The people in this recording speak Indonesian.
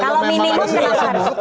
kalau memang ada situasi buruk